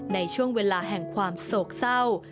ในช่วงเวลาแห่งความโศกเศร้า